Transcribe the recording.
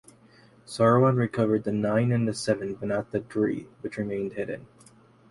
Sauron recovered the Nine and the Seven, but not the Three, which remained hidden.